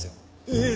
えっ？